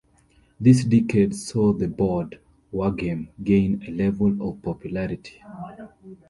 This decade saw the board wargame gain a level of popularity.